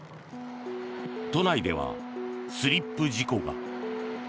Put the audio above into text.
都内ではスリップ事故が。